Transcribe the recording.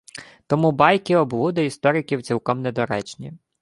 Тому «байки-облуди» істориків цілком недоречні